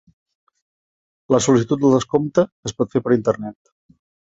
La sol·licitud del descompte es pot fer per internet.